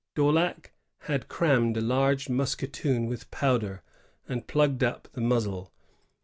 Daulac had crammed a large musketoon with powder, and plugged up the muzzle.